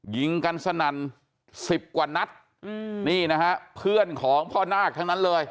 ยิงกันสนั่นสิบกว่านัดอืมนี่นะฮะเพื่อนของพ่อนาคทั้งนั้นเลย